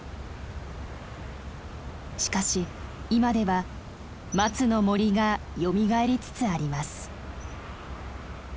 しかし今ではマツの森がよみがえりつつあります。